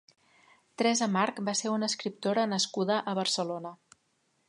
Teresa March va ser una escriptora nascuda a Barcelona.